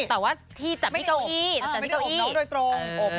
แต่ว่าที่จัดพี่เก้าอี้ไม่ได้โอบน้องโดยตรง